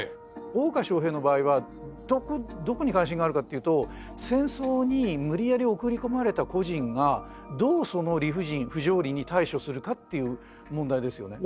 大岡昇平の場合はどこに関心があるかっていうと戦争に無理やり送り込まれた個人がどうその理不尽不条理に対処するかっていう問題ですよね。